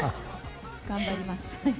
頑張ります。